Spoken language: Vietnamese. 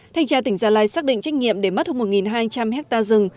thanh tra tỉnh gia lai xác định trách nhiệm để mất hơn một hai trăm linh hectare rừng